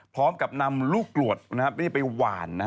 พร้อมกับนำลูกกรวดไปหวาน